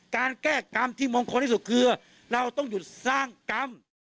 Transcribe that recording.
การแก้กรรมที่มงคลที่สุดคือเราต้องหยุดสร้างกรรม